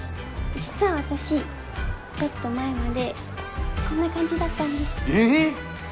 実は私ちょっと前までこんな感じだったんですええっ！？